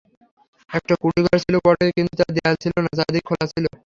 একটা কুঁড়েঘর ছিল বটে, কিন্তু তার দেয়াল ছিল না, চারদিক খোলা ছিল।